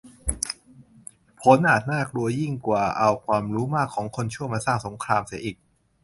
ผลอาจน่ากลัวยิ่งกว่าเอาความรู้มากของคนชั่วมาสร้างสงครามเสียอีก